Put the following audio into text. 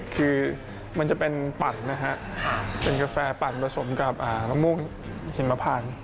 คือมันจะเป็นปั่นนะครับเป็นกาแฟปั่นประสงค์กับมะมุกหิมพันธุ์